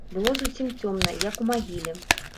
Было зусім цёмна, як у магіле.